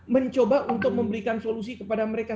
mencoba untuk memberikan solusi kepada mereka